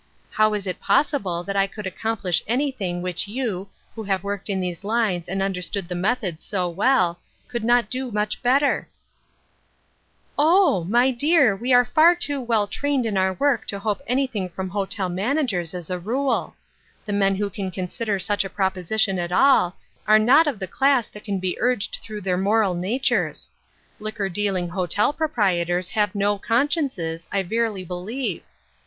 I low is it possible that I could accomplish anything which you, who have 124 COMING TO AN UNDERSTANDING. worked in these lines and understand the methods so well, could not do much better ?"" Oh ! my dear, we are far too well trained in our work to hope anything from hotel managers as a rule. The men who can consider such a propo sition at all, are not of the class that can be urged through their moral natures. Liquor dealing hotel proprietors have no consciences, I verily believe.